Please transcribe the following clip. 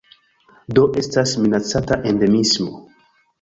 Do estas minacata endemismo.